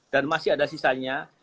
dan masih ada sisanya